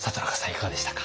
いかがでしたか？